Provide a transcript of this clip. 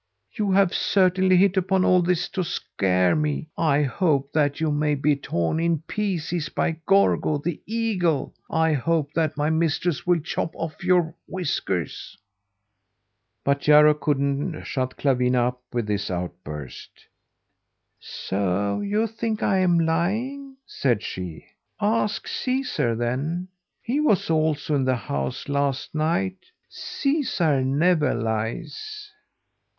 You have certainly hit upon all this to scare me. I hope that you may be torn in pieces by Gorgo, the eagle! I hope that my mistress will chop off your whiskers!" But Jarro couldn't shut Clawina up with this outburst. "So you think I'm lying," said she. "Ask Caesar, then! He was also in the house last night. Caesar never lies."